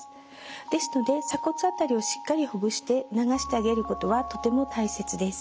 ですので鎖骨辺りをしっかりほぐして流してあげることはとても大切です。